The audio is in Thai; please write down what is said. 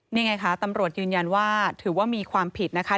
นี่ไงคะตำรวจยืนยันว่าถือว่ามีความผิดนะคะ